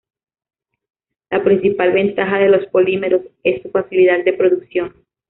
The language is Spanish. La principal ventaja de los polímeros es su facilidad de producción.